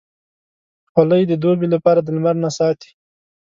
خولۍ د دوبې لپاره د لمر نه ساتي.